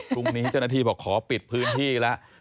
พรุ่งนี้เจ้าหน้าที่บอกขอปิดพื้นที่แล้ว